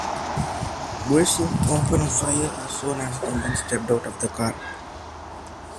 Grissom opened fire as soon as the men stepped out of their car.